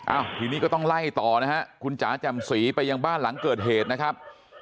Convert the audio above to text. ทีนี้ก็ต้องไล่ต่อนะฮะคุณจ๋าแจ่มสีไปยังบ้านหลังเกิดเหตุนะครับ